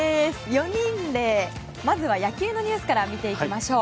４人でまずは野球のニュースから見ていきましょう。